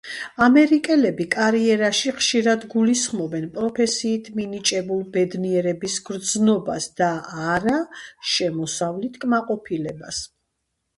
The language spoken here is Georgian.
ამერიკელები კარიერაში ხშირად გულისხმობენ პროფესიით მინიჭებულ ბედნიერების გრძნობას და არა შემოსავლით კმაყოფილებას.